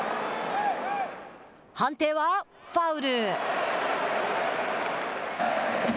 判定はファウル。